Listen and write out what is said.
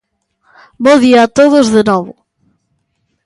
Bo día a todos de novo.